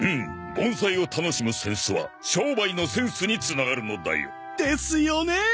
盆栽を楽しむセンスは商売のセンスにつながるのだよ。ですよね！